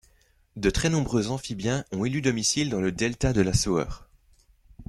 De très nombreux amphibiens ont élu domicile dans le delta de la Sauer.